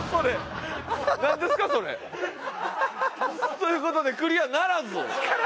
という事でクリアならず。